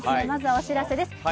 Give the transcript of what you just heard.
まずはお知らせです。